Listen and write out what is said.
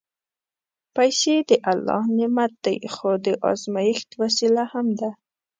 پېسې د الله نعمت دی، خو د ازمېښت وسیله هم ده.